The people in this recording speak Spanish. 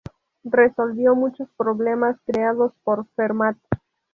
Resolvió muchos problemas creados por Fermat.